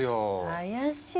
怪しい。